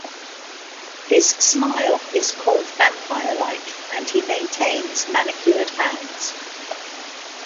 His smile is called vampire-like, and he maintains manicured hands.